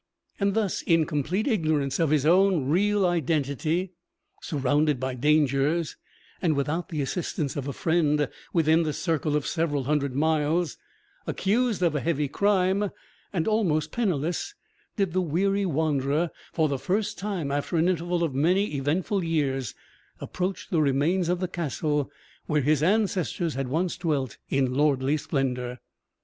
And thus, in complete ignorance of his own real identity, surrounded by dangers, and without the assistance of a friend within the circle of several hundred miles, accused of a heavy crime, and almost penniless, did the weary wanderer, for the first time after an interval of many eventful years, approach the remains of the castle where his ancestors had once dwelt in lordly splendour.